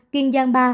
kiên giang ba